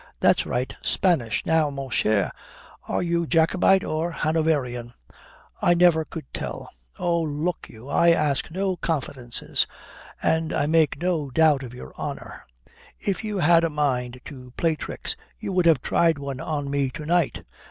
"That's right Spanish. Now, mon cher, are you Jacobite or Hanoverian?" "I never could tell." "Oh, look you, I ask no confidences. And I make no doubt of your honour. If you had a mind to play tricks you would have tried one on me to night.